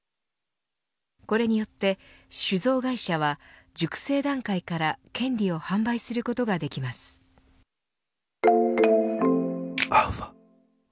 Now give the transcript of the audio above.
これによって酒造会社は、熟成段階から権利を販売することができます。